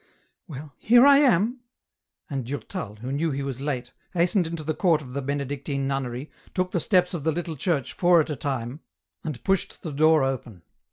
" Well, here I am "— and Durtal, who knew he was late, hastened into the court of the Benedictine nunnery, took the steps of the little church four at a time, and pushed the door open.